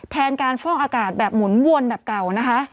แทนการฟอกอากาศแบบหมุนวนแบบเก่านะคะ